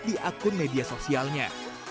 di akun media sosialnya